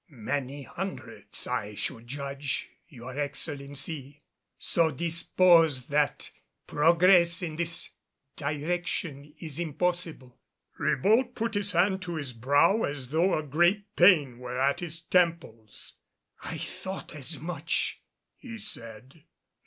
"Many hundreds, I should judge, your Excellency; so disposed that progress in this direction is impossible." Ribault put his hand to his brow as though a great pain were at his temples. "I thought as much," he said.